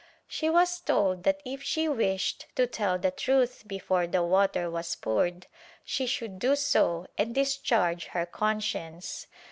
She was told that if she wished to tell the truth before the water was poured she should do so and discharge her conscience.